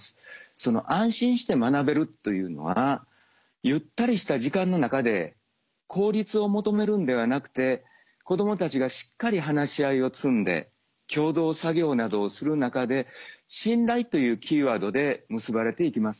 その「安心して学べる」というのはゆったりした時間の中で効率を求めるんではなくて子どもたちがしっかり話し合いを積んで共同作業などをする中で「信頼」というキーワードで結ばれていきます。